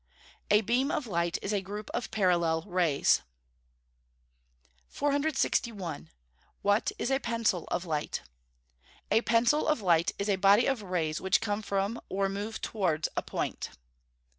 _ A beam of light is a group of parallel rays. 461. What is a pencil of light? A pencil of light is a body of rays which come from or move towards a point.